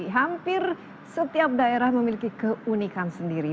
hampir setiap daerah memiliki keunikan sendiri